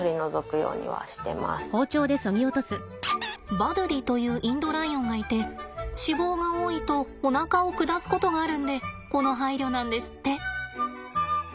バドゥリというインドライオンがいて脂肪が多いとおなかを下すことがあるんでこの配慮なんですって。